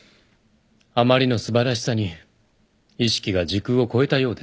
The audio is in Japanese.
あまりの素晴らしさに意識が時空を超えたようです。